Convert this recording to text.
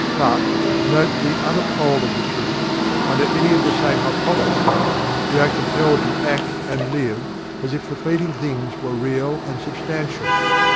But (note the other pole of the truth) under the same hypotheses, we are compelled to ACT AND LIVE as if the fleeting things were real and substantial.